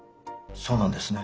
そうなんですね。